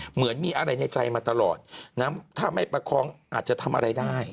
เหมือนมีอะไรในใจมาตลอดนะถ้าไม่ประคองอาจจะทำอะไรได้